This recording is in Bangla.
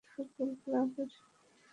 দীর্ঘ দিন ধরে ক্যান্সারে ভুগছিলেন।